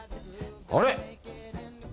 あれ？